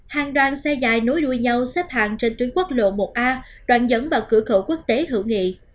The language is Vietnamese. hàng đoàn xe dài nối đuôi nhau xếp hàng trên tuyến quốc lộ một a đoạn dẫn vào cửa khẩu quốc tế hữu nghị